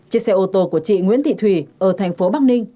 chiếc xe ô tô của chị nguyễn thị thủy ở thành phố bắc ninh